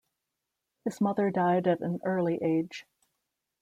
His mother died at an early age.